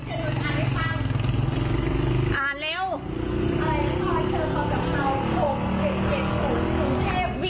โอ้ยอ่าเร็ว